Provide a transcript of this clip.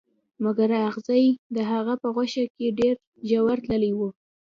مګر اغزي د هغه په غوښه کې ډیر ژور تللي وو